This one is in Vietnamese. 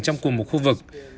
trong cùng một khu vực